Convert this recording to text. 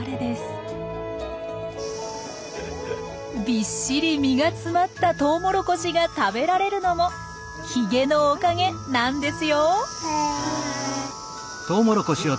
びっしり実が詰まったトウモロコシが食べられるのもヒゲのおかげなんですよ。